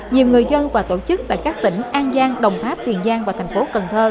nhiều người dân và tổ chức tại các tỉnh an giang đồng tháp tiền giang và tp cn